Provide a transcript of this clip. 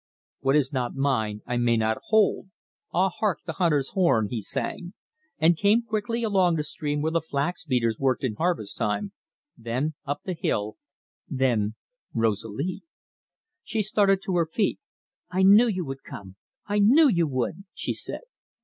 What is not mine I may not hold, (Ah, hark the hunter's horn!)'" he sang, and came quickly along the stream where the flax beaters worked in harvest time, then up the hill, then Rosalie. She started to her feet. "I knew you would come I knew you would!" she said.